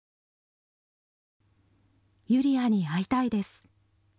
ゆり愛に会いたいです。